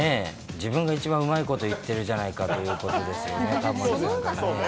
自分が一番うまいこと言ってるじゃないかということですよね、タモリさんがね。